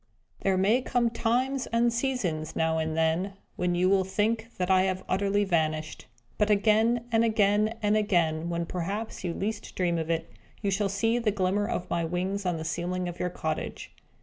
There may come times and seasons, now and then, when you will think that I have utterly vanished. But again, and again, and again, when perhaps you least dream of it, you shall see the glimmer of my wings on the ceiling of your cottage.